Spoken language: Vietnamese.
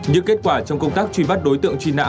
những kết quả trong công tác truy bắt đối tượng truy nã